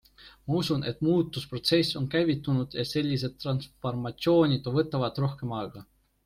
Ma usun, et muutusprotsess on käivitunud ja sellised transformatsioonid võtavad rohkem aega.